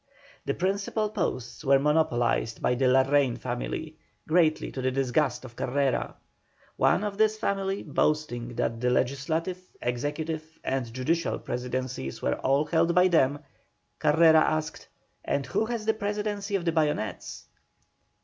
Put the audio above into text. The principal posts were monopolised by the Larrain family, greatly to the disgust of Carrera. One of this family boasting that the legislative, executive, and judicial presidencies were all held by them, Carrera asked: "And who has the presidency of the bayonets?"